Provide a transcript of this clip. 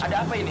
ada apa ini